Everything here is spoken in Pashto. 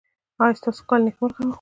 ایا ستاسو کال نیکمرغه و؟